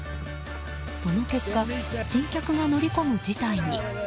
その結果、珍客が乗り込む事態に。